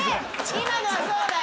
今のはそうだよ